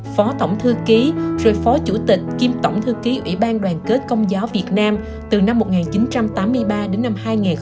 phó tổng thư ký rồi phó chủ tịch kiêm tổng thư ký ủy ban đoàn kết công giáo việt nam từ năm một nghìn chín trăm tám mươi ba đến năm hai nghìn một mươi ba